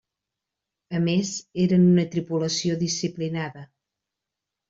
A més, eren una tripulació disciplinada.